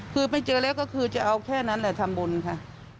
คือไม่เจอแล้วก็คือจะเอาแค่นั้นแหละทำบุญค่ะ